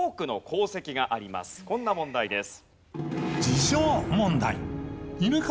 こんな問題です。